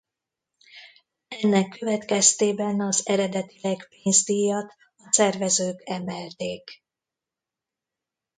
Ennek következtében az eredetileg pénzdíjat a szervezők emelték.